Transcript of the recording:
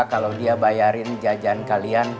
kalau dia bayarin jajan kalian